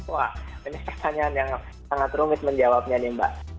wah ini pertanyaan yang sangat rumit menjawabnya nih mbak